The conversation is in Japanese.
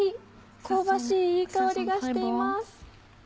香ばしいいい香りがしています。